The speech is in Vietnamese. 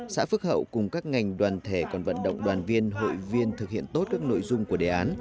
xã phước hậu cùng các ngành đoàn thể còn vận động đoàn viên hội viên thực hiện tốt các nội dung của đề án